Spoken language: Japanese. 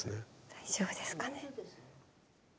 大丈夫ですかね。